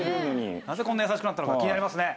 なぜこんな優しくなったのか気になりますね。